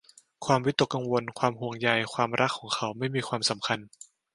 ความวิตกกังวล ความห่วงใย ความรักของเขาไม่มีความสำคัญ